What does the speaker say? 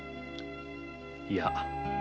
いや。